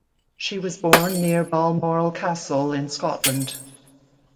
She was born near Balmoral Castle in Scotland.